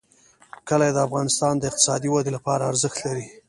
کلي د افغانستان د اقتصادي ودې لپاره ارزښت لري.